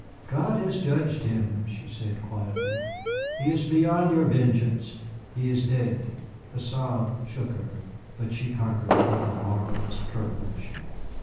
"God has judged him," she said quietly; "he is beyond your vengeance he is dead." A sob shook her, but she conquered it with a marvellous courage.